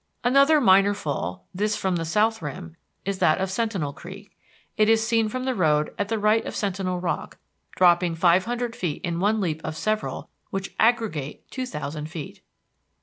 Another minor fall, this from the south rim, is that of Sentinel Creek. It is seen from the road at the right of Sentinel Rock, dropping five hundred feet in one leap of several which aggregate two thousand feet.